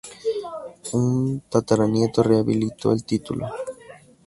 Su tataranieto rehabilitó el título.